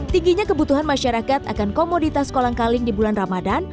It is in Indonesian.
tingginya kebutuhan masyarakat akan komoditas kolang kaling di bulan ramadan